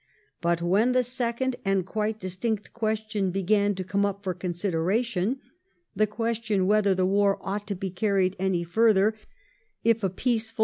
But when the second and quite distinct question began to come up for consideration — the question whether the war ought to be carried any further if a peaceful 90 THE EEIGN OF QUEEN ANNE. ch. xxv.